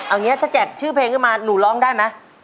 เอางี้ถ้าแจ๊กชื่อเพลงขึ้นมาหนูร้องได้มั้ย